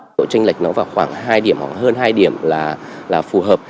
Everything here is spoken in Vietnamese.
độ tranh lệch nó vào khoảng hai điểm khoảng hơn hai điểm là phù hợp